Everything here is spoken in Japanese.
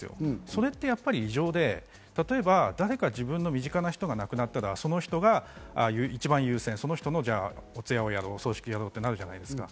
それってやっぱり異常で、自分の誰か身近な人が亡くなったら、その人が一番優先、お通夜をやろう、お葬式やろうとなるじゃないですか。